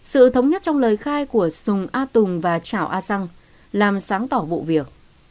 sự thống nhất trong lời khai của sùng a tùng và trảo a sang làm sáng tỏ vụ việc